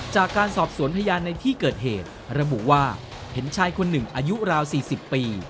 จากการสอบสวนพยานในที่เกิดเหตุระบุว่าเห็นชายคนหนึ่งอายุราว๔๐ปี